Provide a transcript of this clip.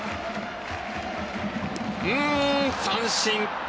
うーん、三振。